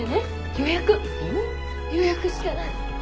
予約してない。